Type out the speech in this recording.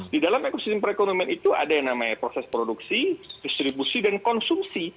di dalam ekosistem perekonomian itu ada yang namanya proses produksi distribusi dan konsumsi